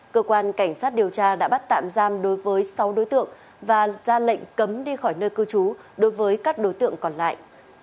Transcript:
cơ quan cảnh sát điều tra đã bắt tạm giam đối với sáu đối tượng và ra lệnh cấm đi khỏi nơi cư trú đối với các đối tượng còn lại